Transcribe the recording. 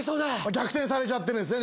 逆転されちゃってるんですね